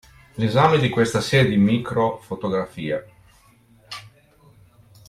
L’esame di questa serie di microfotografie